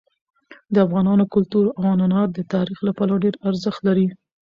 د افغانانو کلتور او عنعنات د تاریخ له پلوه ډېر ارزښت لري.